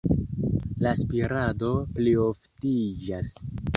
La spirado plioftiĝas.